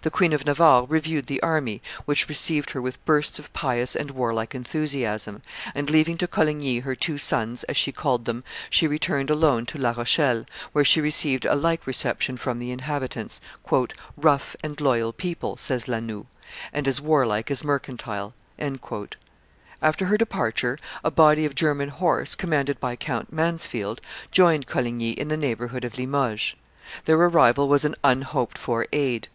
The Queen of Navarre reviewed the army, which received her with bursts of pious and warlike enthusiasm; and leaving to Coligny her two sons, as she called them, she returned alone to La Rochelle, where she received a like reception from the inhabitants, "rough and loyal people," says La Noue, "and as warlike as mercantile." After her departure, a body of German horse, commanded by Count Mansfeld, joined Coligny in the neighborhood of Limoges. Their arrival was an unhoped for aid.